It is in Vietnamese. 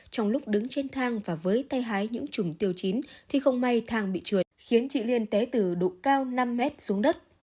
trong lúc đứng trên thang và với tay hái những chùm tiêu chín thì không may thang bị trượt khiến chị liên té từ độ cao năm m xuống đất